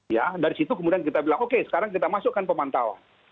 ya dari situ kemudian kita bilang oke sekarang kita masukkan pemantau